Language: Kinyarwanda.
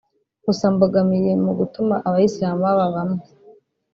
Gusa Mbogamiye mu gutuma Abayisilamu baba bamwe